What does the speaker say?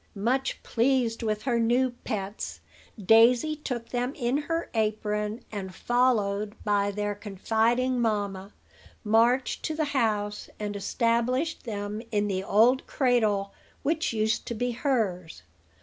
Much pleased with her new pets, Daisy took them in her apron, and, followed by their confiding mamma, marched to the house, and established them in the old cradle which used to be hers.